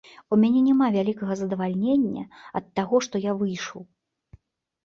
У мяне няма вялікага задавальнення ад таго, што я выйшаў.